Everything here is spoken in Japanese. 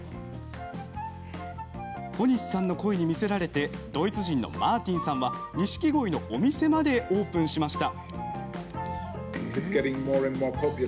小西さんのコイに魅せられてドイツ人のマーティンさんはニシキゴイのお店までオープンしました。